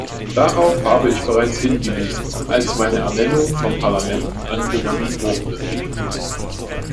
Darauf habe ich bereits hingewiesen, als meine Ernennung vom Parlament angenommen wurde.